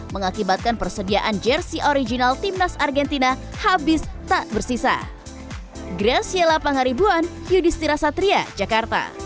mengakibatkan persediaan jersi original timnas argentina habis tak bersisa